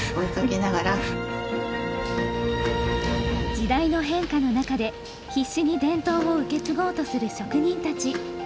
時代の変化の中で必死に伝統を受け継ごうとする職人たち。